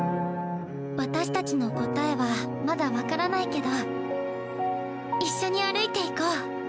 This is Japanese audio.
私たちの答えはまだ分からないけど一緒に歩いていこう。